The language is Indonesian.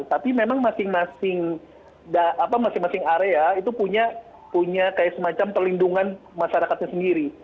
tapi memang masing masing area itu punya kayak semacam perlindungan masyarakatnya sendiri